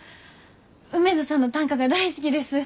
梅津さんの短歌が大好きです。